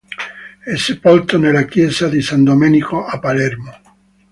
È sepolto nella Chiesa di San Domenico a Palermo.